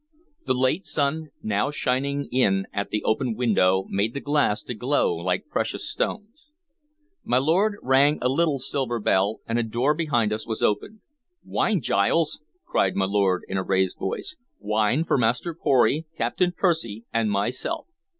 The late sun now shining in at the open window made the glass to glow like precious stones. My lord rang a little silver bell, and a door behind us was opened. "Wine, Giles!" cried my lord in a raised voice. "Wine for Master Pory, Captain Percy, and myself!